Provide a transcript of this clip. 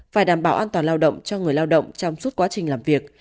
phải đảm bảo an toàn lao động cho người lao động trong suốt quá trình làm việc